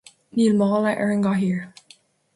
Níl mála ar an gcathaoir